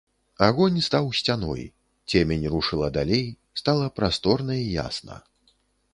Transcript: Агонь стаў сцяной, цемень рушыла далей, стала прасторна і ясна.